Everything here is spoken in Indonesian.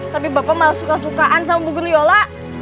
tapi bapak malah suka sukaan sama bu guruyola